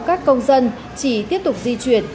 các công dân chỉ tiếp tục di chuyển